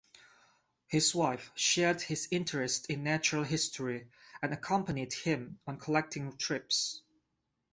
His wife shared his interest in natural history, and accompanied him on collecting trips.